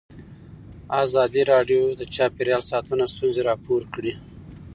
ازادي راډیو د چاپیریال ساتنه ستونزې راپور کړي.